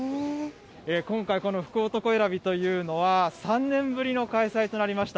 今回、この福男選びというのは３年ぶりの開催となりました。